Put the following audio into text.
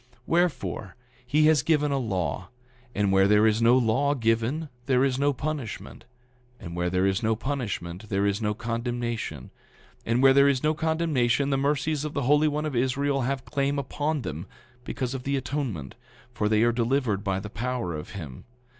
9:25 Wherefore, he has given a law; and where there is no law given there is no punishment; and where there is no punishment there is no condemnation; and where there is no condemnation the mercies of the Holy One of Israel have claim upon them, because of the atonement; for they are delivered by the power of him.